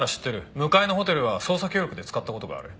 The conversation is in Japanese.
向かいのホテルは捜査協力で使った事がある。